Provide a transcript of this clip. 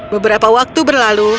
beberapa waktu berlalu